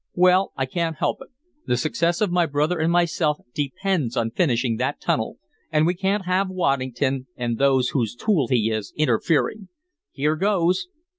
Well, I can't help it. The success of my brother and myself depends on finishing that tunnel, and we can't have Waddington, and those whose tool he is, interfering. Here goes!"